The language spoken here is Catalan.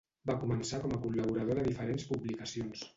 Va començar com a col·laborador de diferents publicacions.